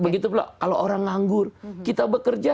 begitu kalau orang nganggur kita bekerja